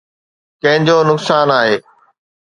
ڪنهن جو نقصان آهي؟